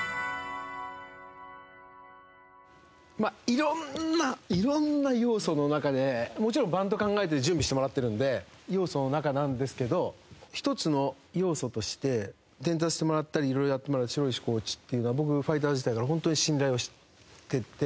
いろんないろんな要素の中でもちろんバント考えて準備してもらってるので要素の中なんですけど１つの要素として伝達してもらったりいろいろやってもらう城石コーチっていうのは僕ファイターズ時代から本当に信頼をしてて。